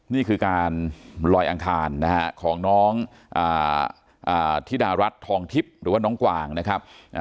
นี่คือการลอยอังคารนะฮะของน้องธิดารัฐทองทิพย์หรือว่าน้องกวางนะครับ